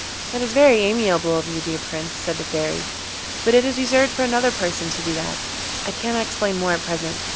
'That is very amiable of you, dear Prince,' said the Fairy, 'but it is reserved for another person to do that. I cannot explain more at present.